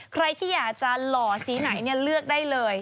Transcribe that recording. ใครที่อยากจะหล่อสีไหนเลือกได้เลย